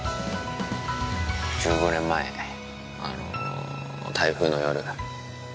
１５年前あの台風の夜